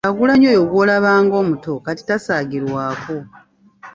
Kyagulanyi oyo gw’olaba ng’omuto kati tasaagirwako.